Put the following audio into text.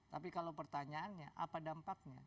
tapi kalau pertanyaannya apa dampaknya